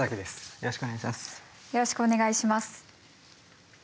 よろしくお願いします。